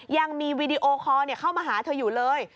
ยังมีวีดีโอคอลเข้ามาหาเธออยู่เลย